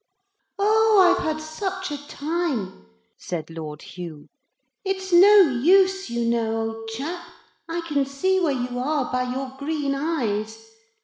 'Oh, I've had such a time!' said Lord Hugh. 'It's no use, you know, old chap; I can see where you are by your green eyes.